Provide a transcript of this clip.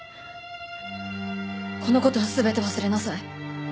この事は全て忘れなさい。